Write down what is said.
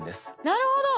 なるほど。